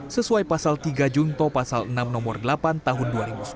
sesuai pasal tiga junto pasal enam nomor delapan tahun dua ribu sepuluh